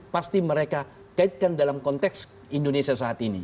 pasti mereka kaitkan dalam konteks indonesia saat ini